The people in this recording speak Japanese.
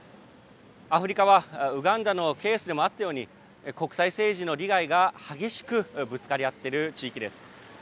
アフリカはウガンダのケースでもあったように、国際政治の利害が激しくぶつかり合ってる地域です。